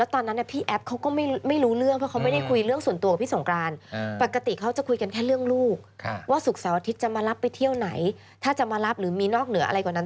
แต่เรื่องลูกว่าศุกร์สาวอาทิตย์จะมารับไปเที่ยวไหนถ้าจะมารับหรือมีนอกเหนืออะไรกว่านั้น